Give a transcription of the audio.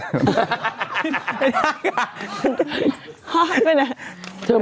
ไม่ได้ค่ะ